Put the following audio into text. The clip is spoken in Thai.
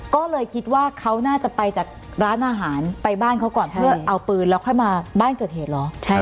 ก็เลยคิดว่าเขาน่าจะไปจากร้านอาหารไปบ้านเขาก่อนเพื่อเอาปืนแล้วค่อยมาบ้านเกิดเหตุเหรอ